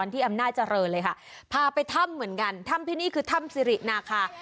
ที่อำนาจเจริญเลยค่ะพาไปถ้ำเหมือนกันถ้ำที่นี่คือถ้ำสิรินาคา